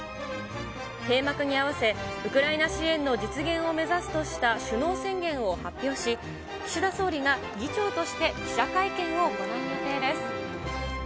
閉幕にあわせ、ウクライナ支援の実現を目指すとした首脳宣言を発表し、岸田総理が議長として記者会見を行う予定です。